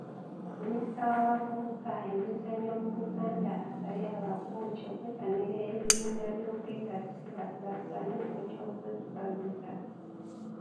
Minisita w'abavubuka, emizannyo mu Buganda asabye Abakooki okwettanira ebibiina by'obwegassi bakulaakulane mu kifo ky'okwekubagiza.